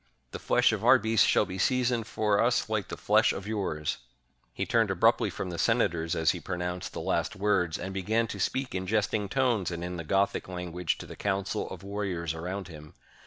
The flesh of our beasts shall be seasoned for us like the ^esh oi yours I " He turned abruptly from the senators, as he pro nounced the last words and began to speak in jesting tones and in the Gothic language to the council of war riors around him.